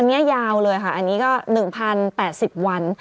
อันนี้ยาวเลยค่ะอันนี้ก็๑๐๘๐วัน